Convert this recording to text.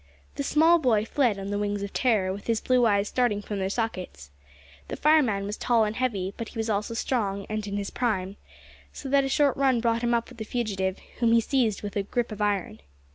The small boy fled on the wings of terror, with his blue eyes starting from their sockets. The fireman was tall and heavy, but he was also strong and in his prime, so that a short run brought him up with the fugitive, whom he seized with a grip of iron.